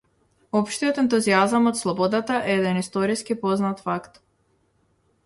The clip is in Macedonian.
Општиот ентузијазам од слободата е еден историски познат факт.